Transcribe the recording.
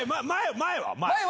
前は？